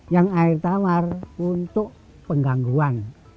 yang air tawar untuk penggangguan